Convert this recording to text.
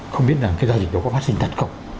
không biết là cái doanh dịch đó có phát sinh tắt không